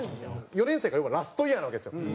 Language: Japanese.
４年生がラストイヤーなわけですよ。